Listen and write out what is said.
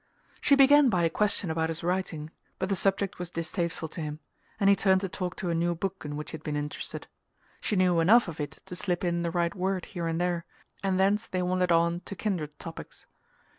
She began by a question about his writing, but the subject was distasteful to him, and he turned the talk to a new book in which he had been interested. She knew enough of it to slip in the right word here and there; and thence they wandered on to kindred topics.